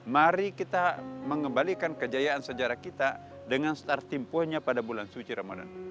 mari kita mengembalikan kejayaan sejarah kita dengan start temponya pada bulan suci ramadan